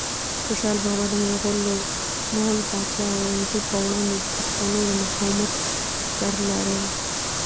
خوشحال بابا د مغول پادشاه اورنګزیب په وړاندې د پښتنو د مقاومت سرلاری و.